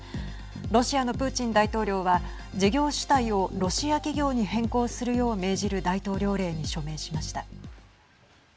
ロシアのプーチン大統領は事業主体をロシア企業に変更するよう命じる大統領令に署名しました。